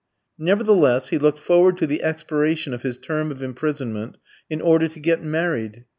Nevertheless, he looked forward to the expiration of his term of imprisonment in order to get married.